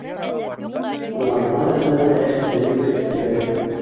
Улар барыһы ла рәхәтләнеп көлөштөләр.